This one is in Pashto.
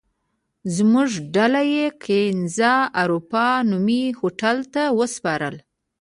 زموږ ډله یې کېنز اروپا نومي هوټل ته وسپارله.